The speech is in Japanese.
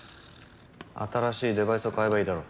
新しいデバイスを買えばいいだろ。